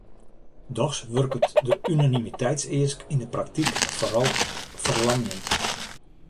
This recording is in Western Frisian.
Dochs wurket de unanimiteitseask yn de praktyk foaral ferlamjend.